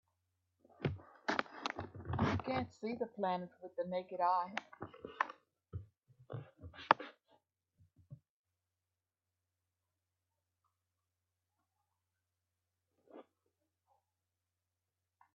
You can't see the planet with the naked eye.